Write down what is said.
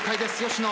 吉野。